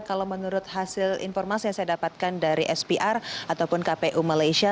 kalau menurut hasil informasi yang saya dapatkan dari spr ataupun kpu malaysia